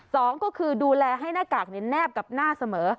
สองก็คือดูแลให้หน้ากากแนบกับหน้าเสมอ